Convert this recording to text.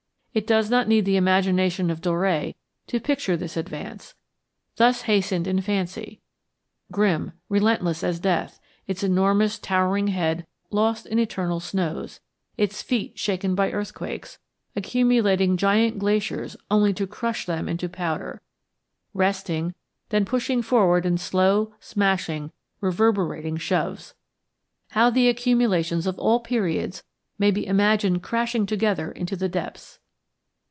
It does not need the imagination of Doré to picture this advance, thus hastened in fancy, grim, relentless as death, its enormous towering head lost in eternal snows, its feet shaken by earthquakes, accumulating giant glaciers only to crush them into powder; resting, then pushing forward in slow, smashing, reverberating shoves. How the accumulations of all periods may be imagined crashing together into the depths!